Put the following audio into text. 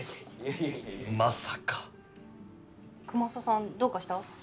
まさかくまささんどうかした？